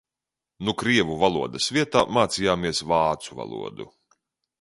Nu krievu valodas vietā mācījāmies vācu valodu.